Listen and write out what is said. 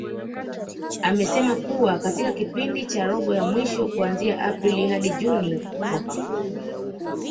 Amesema kuwa katika kipindi cha robo ya mwisho kuanzia Aprili hadi Juni mwaka huu